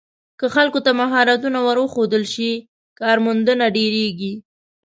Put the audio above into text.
که خلکو ته مهارتونه ور وښودل شي، کارموندنه ډېریږي.